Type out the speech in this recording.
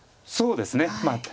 そうですね。